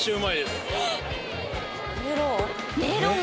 メロン？